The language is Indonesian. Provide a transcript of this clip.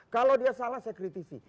kalau dia salah saya kritisi